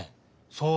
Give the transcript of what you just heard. そう！